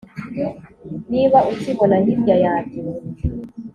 niba ukibona hirya yanjye